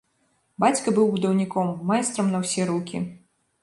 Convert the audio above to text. Бацька быў будаўніком, майстрам на ўсе рукі.